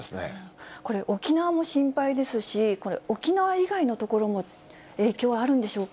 これ、沖縄も心配ですし、沖縄以外の所も影響あるんでしょうか。